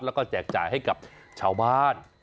แล้วก็แจกจ่ายให้กับชาวบ้าน